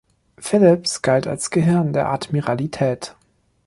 Phillips galt als 'Gehirn' der Admiralität.